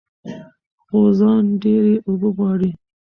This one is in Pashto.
غوزان ډېرې اوبه غواړي.